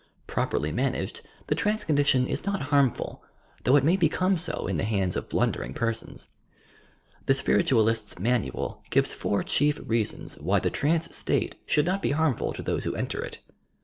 Properly managed, the trance condition is not harmful, though it may become so in the hands of blundering persons. "The Spiritualist's Manual" gives four chief reasons why the trance state should not be harmful to those who enter it.